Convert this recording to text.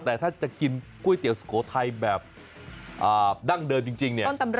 แต่ถ้าจะกินก๋วยเตี๋ยวสุโขทัยแบบดั้งเดิมจริงเนี่ย